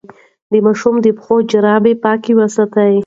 د ماشوم د پښو جرابې پاکې وساتئ.